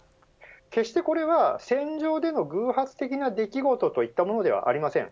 決してこれは戦場での偶発的な出来事といったものではありません。